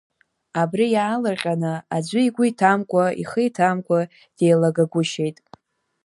Абри, иаалыр-ҟьаны, аӡәы игәы иҭамкәа ихы иҭамкәа деила-гагәышьеит.